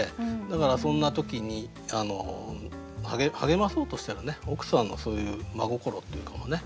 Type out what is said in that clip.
だからそんな時に励まそうとしてる奥さんのそういう真心もね